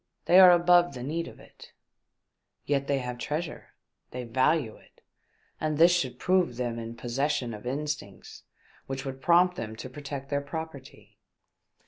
They are above the need of it." Yet they have treasure, they value it, and this should prove them in possession of instincts which Vvould prompt them to protect their property."